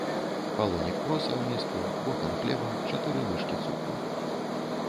Палонік проса ў міску, бохан хлеба, чатыры лыжкі цукру.